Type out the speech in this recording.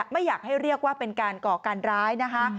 ไม่อยากให้เรียกว่าเป็นการก่อการร้ายนะคะ